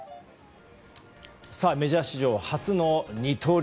メジャー史上初の二刀流。